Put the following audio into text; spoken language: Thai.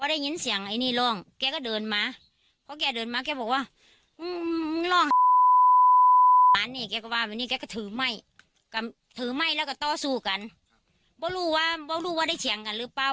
ไอด์แล้วเขาดีแหลนก็ฟุฟหลงตาธวัฒน์พื้นแหล่ะลงแหล่ะแบบน้อนหงาย